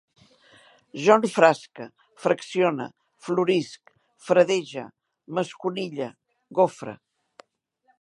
Jo enfrasque, fraccione, florisc, fredege, m'esconille, gofre